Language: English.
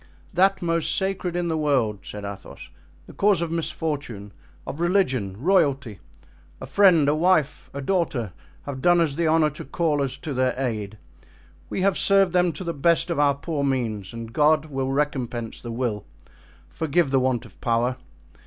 "That most sacred in the world," said Athos; "the cause of misfortune, of religion, royalty. A friend, a wife, a daughter, have done us the honor to call us to their aid. We have served them to the best of our poor means, and God will recompense the will, forgive the want of power.